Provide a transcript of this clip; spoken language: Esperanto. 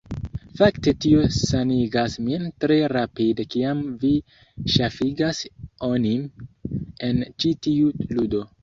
Fakte tio sanigas min tre rapide kiam vi ŝafigas onin en ĉi tiu ludo.